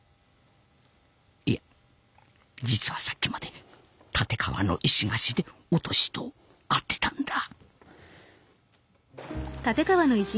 いや実はさっきまで堅川の石河岸でお敏と会ってたんだ。